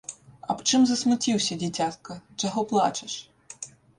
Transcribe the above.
Аб чым засмуціўся, дзіцятка, чаго плачаш?